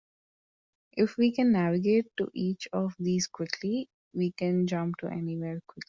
If we can navigate to each of these quickly, we can jump to anywhere quickly.